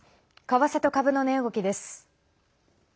為替と株の値動きです。